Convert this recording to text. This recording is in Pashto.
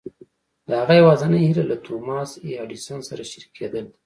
د هغه يوازېنۍ هيله له توماس اې ايډېسن سره شريکېدل دي.